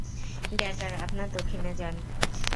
Dagger, আপনারা দক্ষিণে যান।